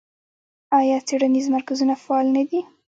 آیا څیړنیز مرکزونه فعال نه دي؟